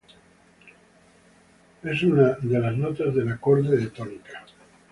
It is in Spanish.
Es una de las notas del acorde de tónica.